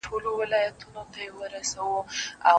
د تاریخ هره کیسه یې حماسه ده